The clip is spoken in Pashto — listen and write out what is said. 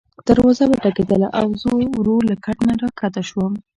دروازه وټکېدله او زه ورو له کټ نه راکښته شوم.